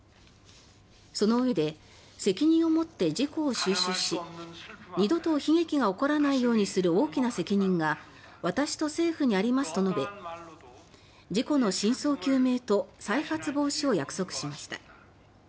そのうえで責任を持って事故を収拾し二度と悲劇が起こらないようにする大きな責任が私と政府にありますと述べ事故の真相究明と再発防止を約束しました。